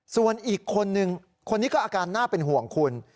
ส่วนอีกคนนึงคนนี้ก็อาการน่าเป็นห่วงคุณ